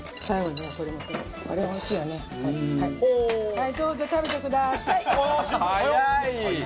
はいどうぞ食べてください。